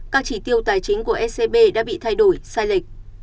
các chỉ tiêu tài chính của scb đã bị thay đổi sai lệch